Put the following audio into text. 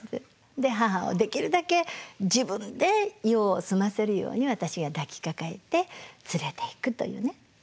で母をできるだけ自分で用を済ませるように私が抱きかかえて連れていくというね。